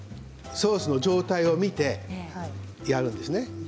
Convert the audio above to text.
ソースの状態を見てやるんですね。